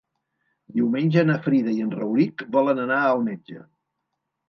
Diumenge na Frida i en Rauric volen anar al metge.